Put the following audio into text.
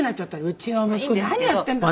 うちの息子何やってんだ。